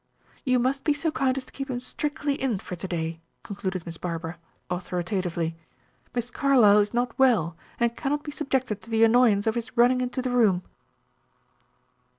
"You must be so kind as to keep him strictly in for to day," concluded Miss Barbara, authoritatively. "Miss Carlyle is not well, and cannot be subjected to the annoyance of his running into the room."